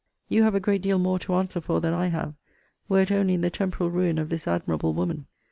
You have a great deal more to answer for than I have, were it only in the temporal ruin of this admirable woman.